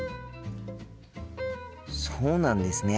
そうなんですね。